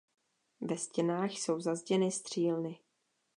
Ve stěnách jsou zazděny střílny.